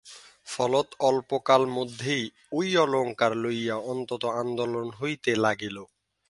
ফলত অল্পকালমধ্যেই ঐ অলঙ্কার লইয়া অত্যন্ত আন্দোলন হইতে লাগিল।